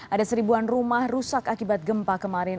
ada seribuan rumah rusak akibat gempa kemarin